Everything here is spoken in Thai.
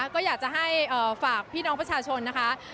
ก็อยากจะให้ฝากพี่น้องประชาชนนะคะ